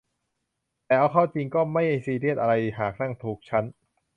แต่เอาเข้าจริงเข้าก็ไม่ซีเรียสอะไรหากนั่งถูกชั้น